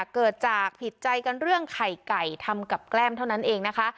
เกิดจากผิดใจกันเรื่องไข่ไก่ทำกับแกล้มเท่านั้นเองนะคะ